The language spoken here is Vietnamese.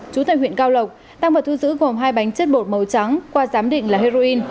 chú tại huyện cao lộc tăng vật thu giữ gồm hai bánh chất bột màu trắng qua giám định là heroin